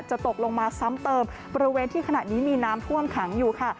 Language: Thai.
ตกลงมาซ้ำเติมบริเวณที่ขณะนี้มีน้ำท่วมขังอยู่ค่ะ